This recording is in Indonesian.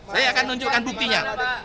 saya akan nunjukkan buktinya